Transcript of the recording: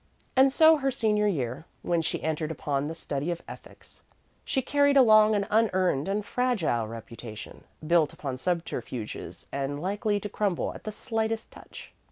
And so into her senior year, when she entered upon the study of ethics, she carried along an unearned and fragile reputation, built upon subterfuges and likely to crumble at the slightest touch.